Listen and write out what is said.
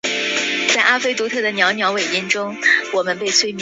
厄勒地区是厄勒海峡两岸斯堪的纳维亚南部跨国家的地区。